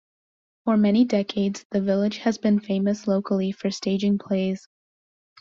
For many decades, the village has been famous locally for staging plays.